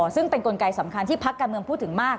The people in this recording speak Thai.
ซึ่งเป็นกลไกสำคัญที่พักการเมืองพูดถึงมาก